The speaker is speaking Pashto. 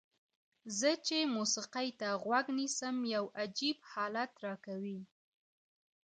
زه چې موسیقۍ ته غوږ نیسم یو عجیب حالت راکوي.